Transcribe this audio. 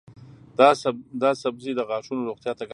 دا سبزی د غاښونو روغتیا ته ګټه لري.